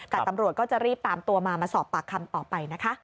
แต่ตำรวจก็จะรีบตามตัวมามาสอบปากคำต่อไปนะคะ